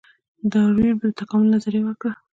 ډاروین د تکامل نظریه ورکړه